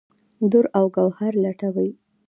دُراو ګوهر لټوي